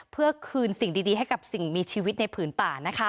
เพื่อคืนสิ่งดีให้กับสิ่งมีชีวิตในผืนป่านะคะ